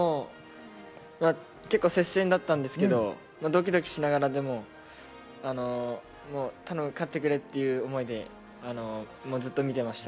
結構接戦だったんですけど、ドキドキしながらでも勝ってくれという思いでずっと見ていました。